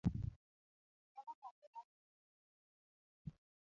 Mano kare wachneno tek